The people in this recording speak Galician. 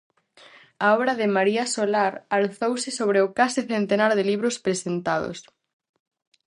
A obra de María Solar alzouse sobre o case centenar de libros presentados.